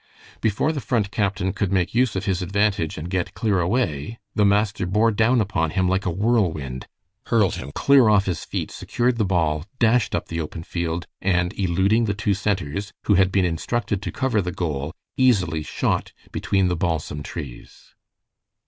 Before the Front captain could make use of his advantage and get clear away, the master bore down upon him like a whirlwind, hurled him clear off his feet, secured the ball, dashed up the open field, and eluding the two centers, who had been instructed to cover the goal, easily shot between the balsam trees.